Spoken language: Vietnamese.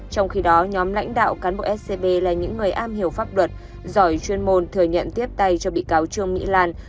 trong khi đó nhóm lãnh đạo cán bộ scb là những người am hiểu pháp luật giỏi chuyên môn thừa nhận tiếp tay cho bị cáo trương mỹ lan